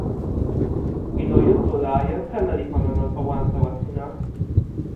ilo Jutu la jan seme li pona nanpa wan tawa sina?